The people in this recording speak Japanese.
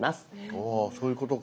あそういうことか。